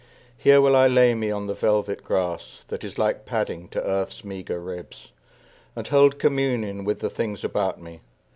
Here will I lay me on the velvet grass, That is like padding to earth's meager ribs, And hold communion with the things about me.